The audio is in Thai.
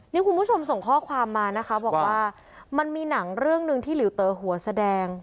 นี่คุณผู้ชมส่งข้อความมานะคะบอกว่ามันมีหนังเรื่องหนึ่งที่หลิวเตอหัวแสดง